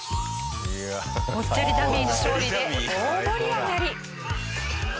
ぽっちゃりダミーの勝利で大盛り上がり。